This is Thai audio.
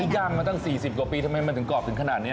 ย่างมาตั้ง๔๐กว่าปีทำไมมันถึงกรอบถึงขนาดนี้